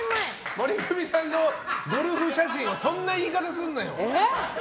モリクミさんのゴルフ写真をそんな言い方するなよ。